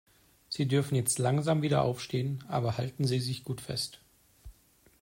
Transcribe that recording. Sie dürfen jetzt langsam wieder aufstehen, aber halten Sie sich gut fest.